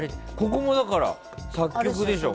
ここもだから作曲でしょ。